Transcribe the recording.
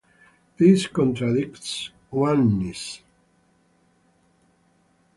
This contradicts Oneness.